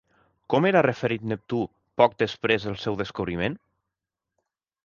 Com era referit Neptú poc després del seu descobriment?